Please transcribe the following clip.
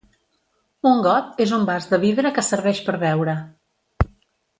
Un got és un vas de vidre que serveix per beure.